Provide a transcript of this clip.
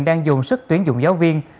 đang dùng sức tuyển dụng giáo viên